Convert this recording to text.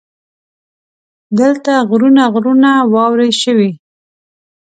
دلته غرونه غرونه واورې شوي.